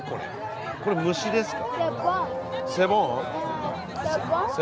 これ虫ですか？